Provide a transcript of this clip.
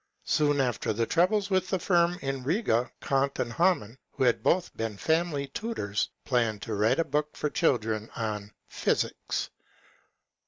Soon after the troubles with the firm in Riga, Kant and Hamann, who had both been family tutors, planned to write a book for children, on " Physics."